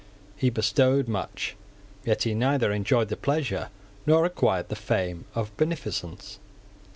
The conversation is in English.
He bestowed much; yet he neither enjoyed the pleasure nor acquired the fame of beneficence.